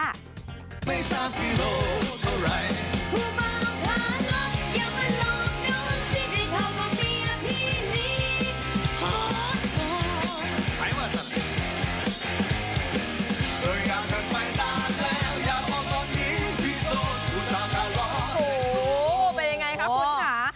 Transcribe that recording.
โอ้โฮเป็นอย่างไรครับคุณฮา